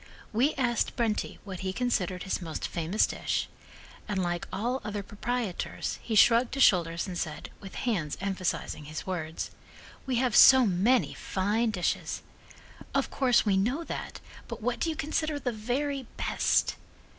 We asked Brenti what he considered his most famous dish, and like all other proprietors, he shrugged his shoulders and said, with hands emphasizing his words: "We have so many fine dishes." "Of course we know that, but what do you consider the very best?"